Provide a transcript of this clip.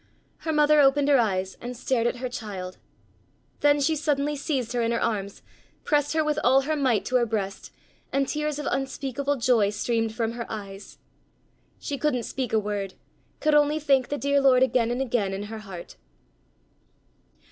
Her mother opened her eyes and stared at her child. Then she suddenly seized her in her arms, pressed her with all her might to her breast, and tears of unspeakable joy streamed from her eyes. She couldn't speak a word, could only thank the dear Lord again and again in her heart.